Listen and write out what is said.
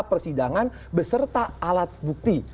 persidangan beserta alat bukti